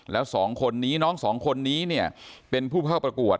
แล้วสองคนนี้น้องสองคนนี้เนี่ยเป็นผู้เข้าประกวด